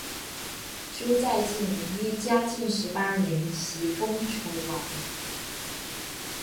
朱载境于嘉靖十八年袭封崇王。